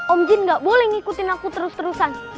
om jin gak boleh ngikutin aku terus terusan